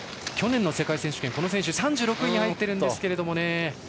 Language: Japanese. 去年の世界選手権でこの選手、３６位に入っているんですけども。